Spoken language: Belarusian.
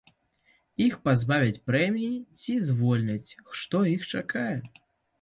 Іх пазбавяць прэміі ці звольняць, што іх чакае?